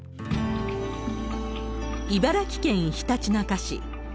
茨城県ひたちなか市。